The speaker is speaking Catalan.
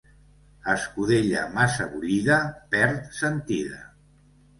Escudella massa bullida perd sentida.